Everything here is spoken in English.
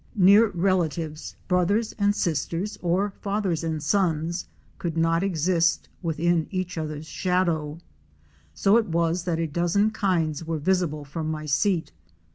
Near relatives — brothers and sisters, or fathers and sons — could not exist within each other's shadow. So it was that a dozen kinds were visible from my seat.